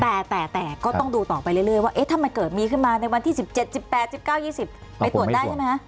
แต่แต่ก็ต้องดูต่อไปเรื่อยว่าถ้ามันเกิดมีขึ้นมาในวันที่๑๗๑๘๑๙๒๐ไปตรวจได้ใช่ไหมคะ